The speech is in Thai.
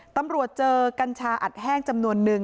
ตำรวจเจอกัญชาอัดแห้งจำนวนนึง